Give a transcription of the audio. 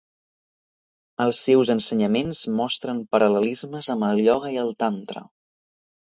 Els seus ensenyaments mostren paral·lelismes amb el ioga i el tantra.